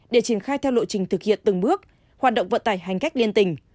để triển khai theo lộ trình thực hiện từng bước hoạt động vận tải hành khách liên tỉnh